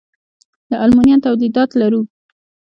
د المونیم تولیدات لرو؟